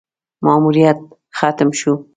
ماموریت ختم شو: